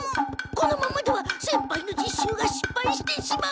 このままでは先輩の実習が失敗してしまう。